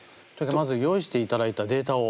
まず用意していただいたデータを。